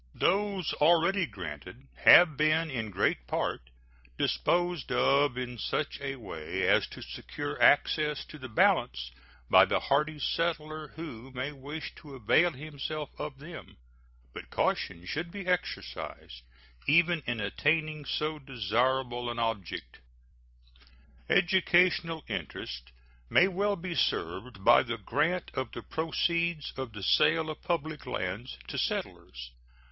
Those already granted have been in great part disposed of in such a way as to secure access to the balance by the hardy settler who may wish to avail himself of them, but caution should be exercised even in attaining so desirable an object. Educational interest may well be served by the grant of the proceeds of the sale of public lands to settlers.